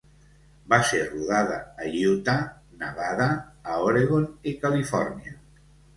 Va ser rodada a Utah, Nevada, a Oregon i Califòrnia.